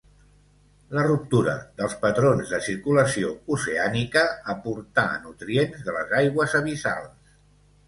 La ruptura dels patrons de circulació oceànica aportà nutrients de les aigües abissals.